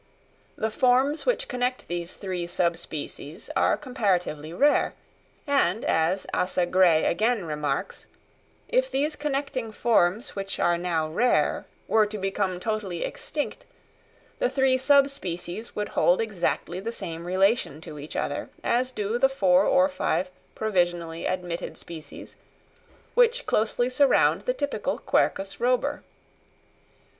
The forms which connect these three sub species are comparatively rare; and, as Asa Gray again remarks, if these connecting forms which are now rare were to become totally extinct the three sub species would hold exactly the same relation to each other as do the four or five provisionally admitted species which closely surround the typical Quercus robur.